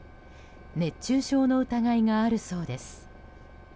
熱中症の疑いがあるそうです。